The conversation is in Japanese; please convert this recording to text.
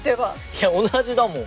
いや同じだもん。